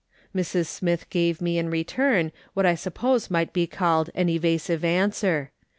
]\Irs. Smith gave me in return what I suppose might be called an evasive answer.